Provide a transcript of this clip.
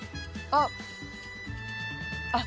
あっ。